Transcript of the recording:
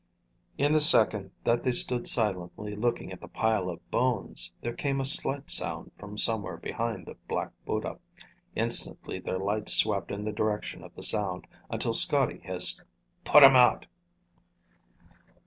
In the second that they stood silently looking at the pile of bones, there came a slight sound from somewhere behind the Black Buddha. Instantly their lights swept in the direction of the sound, until Scotty hissed, "Put 'em out!"